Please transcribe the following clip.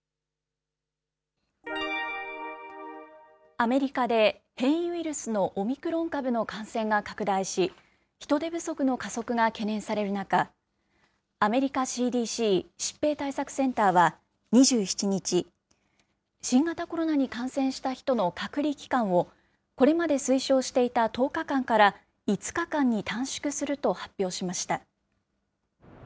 アメリカで、変異ウイルスのオミクロン株の感染が拡大し、人手不足の加速が懸念される中、アメリカＣＤＣ・疾病対策センターは２７日、新型コロナに感染した人の隔離期間を、これまで推奨していた１０日間から、５日間に短縮すると発表しました。